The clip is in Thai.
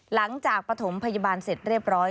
ปฐมพยาบาลเสร็จเรียบร้อย